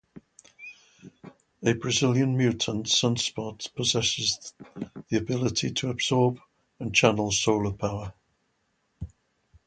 A Brazilian mutant, Sunspot possesses the ability to absorb and channel solar power.